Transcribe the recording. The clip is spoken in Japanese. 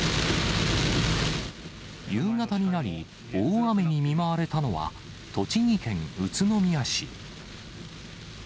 夕方になり、大雨に見舞われたのは、栃木県宇都宮市。